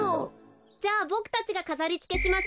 じゃあボクたちがかざりつけします。